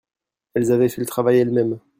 Elles avaient fait le travail elles-mêmes.